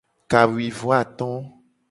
Kawuivoato.